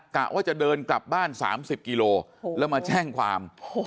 กะว่าจะเดินกลับบ้าน๓๐กิโลแล้วมาแจ้งความ